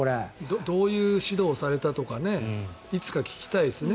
どういう指導をされたとかいつか聞きたいですね。